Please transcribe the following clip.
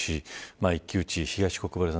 一騎打ち、東国原さん